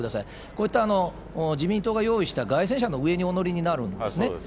こういった自民党が用意した街宣車の上にお乗りになるんですね。